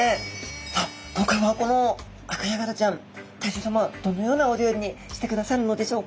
さあ今回はこのアカヤガラちゃん大将さまどのようなお料理にしてくださるのでしょうか？